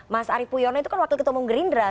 mas arief puyono itu kan wakil ketua umum gerindra